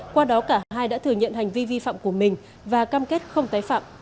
qua đó cả hai đã thừa nhận hành vi vi phạm của mình và cam kết không tái phạm